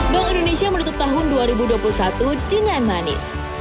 bank indonesia menutup tahun dua ribu dua puluh satu dengan manis